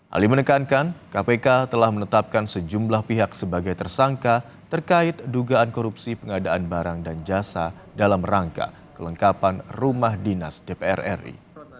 ali menekankan kpk telah menetapkan sejumlah pihak sebagai tersangka terkait dugaan korupsi pengadaan barang dan jasa dalam rangka kelengkapan rumah dinas dpr ri